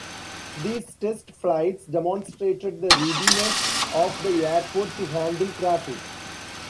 These test flights demonstrated the readiness of the airport to handle traffic.